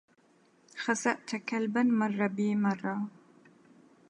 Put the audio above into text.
خسأت كلبا مر بي مرة